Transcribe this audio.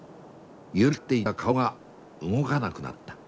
緩みかかっていた顔が動かなくなった。